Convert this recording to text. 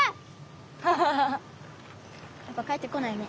やっぱ返ってこないね。